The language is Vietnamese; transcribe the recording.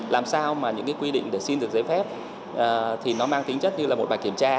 làm sao mà những cái quy định để xin được giấy phép thì nó mang tính chất như là một bài kiểm tra